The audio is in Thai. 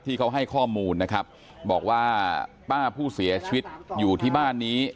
ให้เขาให้ข้อมูลนะครับบอกว่าป้าผู้เสียชีวิตอยู่ที่บ้านนี้